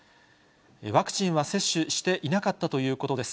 ワクチンは接種していなかったということです。